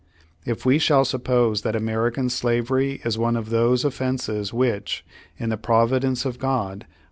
If we shall suppose that American Slavery is one of those offenses which, in the providence of God, m.